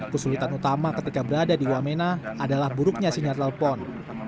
kesulitan utama ketika berada di wamena adalah buruknya sinyal telepon